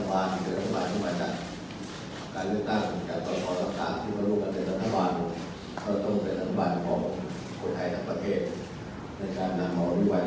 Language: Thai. วันนี้วิวบ่ายของพิธีศาสตร์ที่หนังกายมันก็จะเป็นวิวบ่ายของพิธีศาสตร์ที่เป็นทั้งสิ้น